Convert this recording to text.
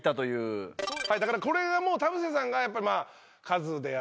だからこれがもう田臥さんがやっぱりカズであり。